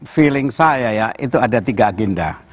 feeling saya ya itu ada tiga agenda